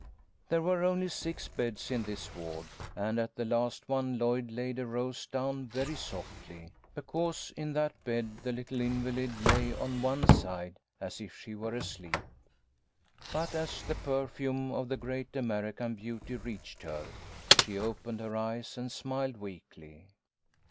There were only six beds in this ward, and at the last one Lloyd laid a rose down very softly, because in that bed the little invalid lay on one side as if she were asleep. But as the perfume of the great American Beauty reached her, she opened her eyes and smiled weakly.